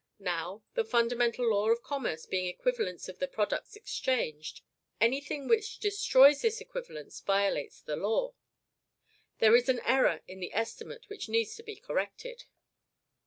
Now, the fundamental law of commerce being equivalence of the products exchanged, any thing which destroys this equivalence violates the law. There is an error in the estimate which needs to be corrected.